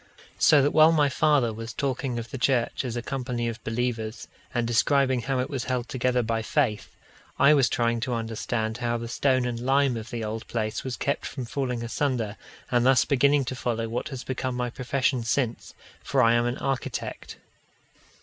So that while my father was talking of the church as a company of believers, and describing how it was held together by faith, I was trying to understand how the stone and lime of the old place was kept from falling asunder, and thus beginning to follow what has become my profession since; for I am an architect.